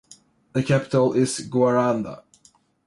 The capital is Guaranda.